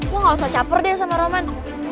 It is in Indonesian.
wah gak usah caper deh sama roman